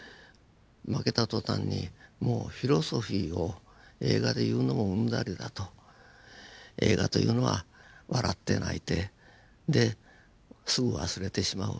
負けた途端にもうフィロソフィーを映画で言うのもうんざりだと映画というのは笑って泣いてですぐ忘れてしまう。